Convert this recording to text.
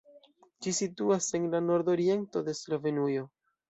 Ĝi situas en la nordoriento de Slovenujo.